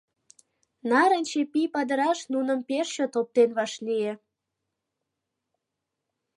Нарынче пий падыраш нуным пеш чот оптен вашлие.